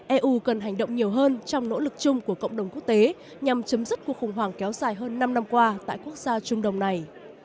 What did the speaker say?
eu cần hành động nhiều hơn trong nỗ lực chung của cộng đồng quốc tế nhằm chấm dứt cuộc khủng hoảng kéo dài hơn năm năm qua tại quốc gia trung đông này